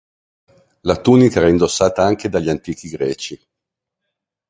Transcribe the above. La tunica era indossata anche dagli antichi Greci.